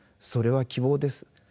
それは希望です。